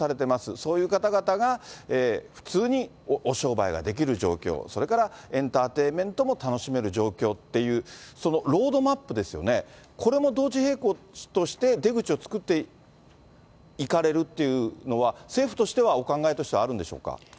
そういう方々が普通にお商売ができる状況、それからエンターテインメントも楽しめる状況っていう、そのロードマップですよね、これも同時並行として出口を作っていかれるというのは、政府としてはお考えとしてはあるんでしょうか。